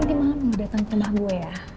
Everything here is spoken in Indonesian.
nanti malam mau datang ke rumah gue ya